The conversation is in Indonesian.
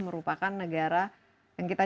merupakan negara yang kita